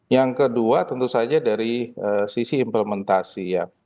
yang kedua tentu saja dari sisi implementasi ya